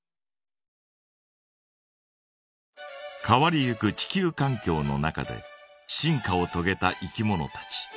変わりゆく地球かん境の中で進化をとげたいきものたち。